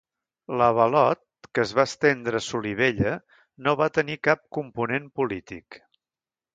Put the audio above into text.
L'avalot, que es va estendre a Solivella no va tenir cap component polític.